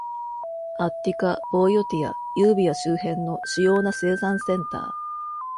アッティカ、ボイオティア、ユービア周辺の主要な生産センター。